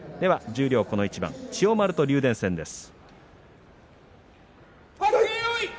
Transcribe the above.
十両この一番千代丸と竜電戦です。